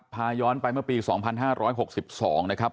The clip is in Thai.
พาย้อนไปเมื่อปี๒๕๖๒นะครับ